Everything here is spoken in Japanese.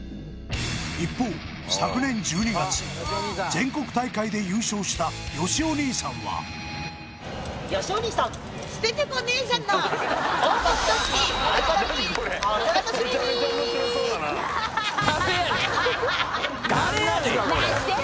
一方昨年１２月全国大会で優勝したよしお兄さんはお楽しみに何なんすか